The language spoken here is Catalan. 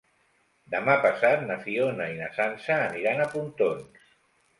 Demà passat na Fiona i na Sança aniran a Pontons.